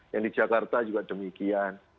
yang di jakarta juga demikian